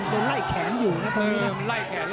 ตัวไล่แขนอยู่นะตรงนี้นะ